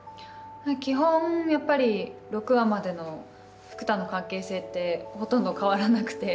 基本やっぱり６話までの福多の関係性ってほとんど変わらなくて。